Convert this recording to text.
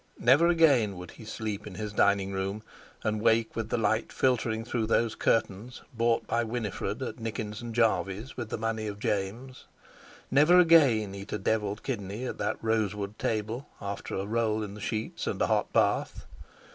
Never again would he sleep in his dining room and wake with the light filtering through those curtains bought by Winifred at Nickens and Jarveys with the money of James. Never again eat a devilled kidney at that rose wood table, after a roll in the sheets and a hot bath.